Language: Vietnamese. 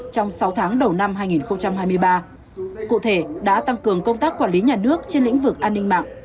trong sáu tháng đầu năm hai nghìn hai mươi ba cụ thể đã tăng cường công tác quản lý nhà nước trên lĩnh vực an ninh mạng